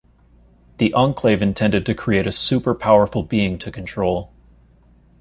The Enclave intended to create a super-powerful being to control.